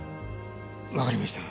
わかりました。